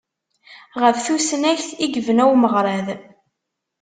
Ɣef tusnakt i yebna umeɣrad.